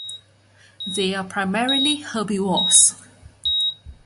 They are primarily herbivores.